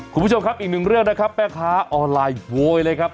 คุณผู้ชมครับอีกหนึ่งเรื่องนะครับแม่ค้าออนไลน์โวยเลยครับ